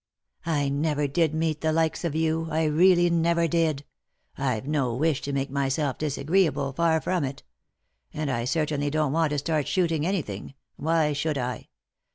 "I never did meet the likes of you, I really never did ; I've no wish to make myself disagreeable, for from it; and I certainly don't want to start shooting anything — why should I